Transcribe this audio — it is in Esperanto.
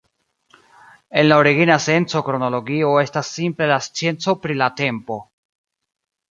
En la origina senco kronologio estas simple la scienco pri la tempo.